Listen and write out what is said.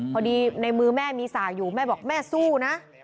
พอดีในมือแม่มีสากอยู่แม่บอกแม่สู้นะ